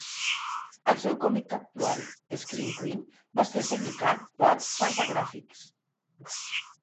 El seu còmic actual "Scream Queen" va ser publicat per Fantagraphics.